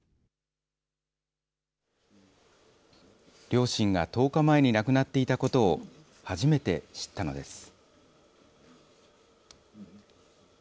両親が１０日前に亡くなっていたことを、初めて知ったのです。